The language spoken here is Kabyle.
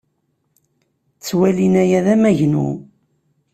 Ttwalin aya d amagnu.